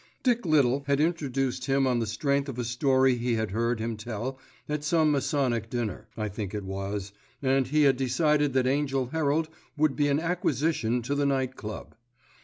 Dick Little had introduced him on the strength of a story he had heard him tell at some masonic dinner, I think it was, and he had decided that Angell Herald would be an acquisition to the Night Club.